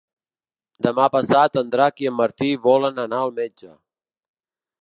Demà passat en Drac i en Martí volen anar al metge.